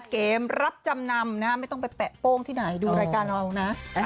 เกมรับจำนำนะไม่ต้องไปแปะโป้งที่ไหนดูรายการเรานะ